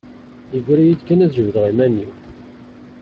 Yeggra-iyi-d kan ad jebdeɣ iman-iw.